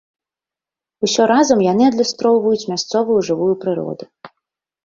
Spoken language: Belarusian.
Усё разам яны адлюстроўваюць мясцовую жывую прыроду.